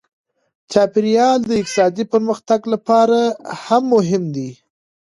چاپیریال د اقتصادي پرمختګ لپاره هم مهم دی.